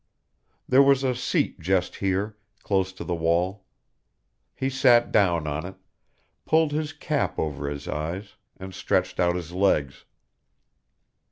There was a seat just here, close to the wall. He sat down on it, pulled his cap over his eyes, and stretched out his legs.